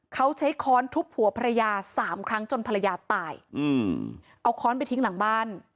เขาใช้ค้อนทุบหัวภรรยาสามครั้งจนภรรยาตายอืมเอาค้อนไปทิ้งหลังบ้าน